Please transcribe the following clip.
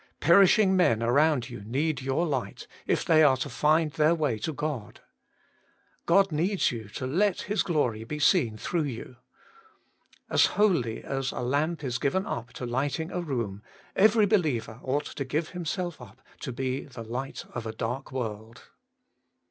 Perishing men around you need your light, if they are to find their way to God. God needs you, to let His glory be seen through you. As wholly as a lamp is given up to lighting a room, every believer ought to give himself up to be the light of a dark world.